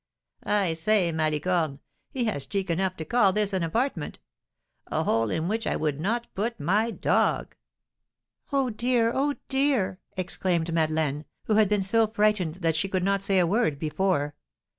"I say, Malicorne, he has cheek enough to call this an apartment, a hole in which I would not put my dog." "Oh, dear! oh, dear!" exclaimed Madeleine, who had been so frightened that she could not say a word before.